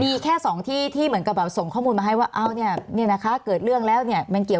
มีแค่สองที่ที่เหมือนกับส่งข้อมูลมาให้ว่าอ้าวเนี่ยนะคะเกิดเรื่องแล้วเนี่ย